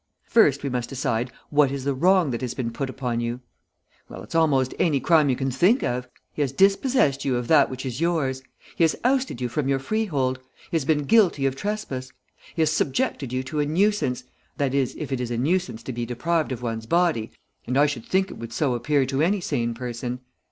"First we must decide, 'What is the wrong that has been put upon you?' Well, it's almost any crime you can think of. He has dispossessed you of that which is yours. He has ousted you from your freehold. He has been guilty of trespass. He has subjected you to a nuisance, that is if it is a nuisance to be deprived of one's body, and I should think it would so appear to any sane person.